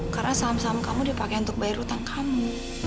karena saham saham kamu dipakai untuk bayar hutang kamu